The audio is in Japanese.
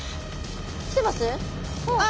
きてます？